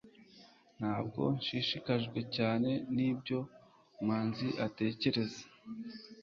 ntabwo nshishikajwe cyane nibyo manzi atekereza